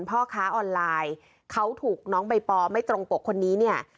พ่อค้าออนไลน์เขาถูกน้องใบปอไม่ตรงปกคนนี้เนี่ย